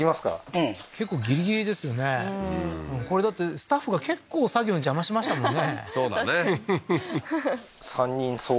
うん結構ギリギリですよねうんこれだってスタッフが結構作業の邪魔しましたもんね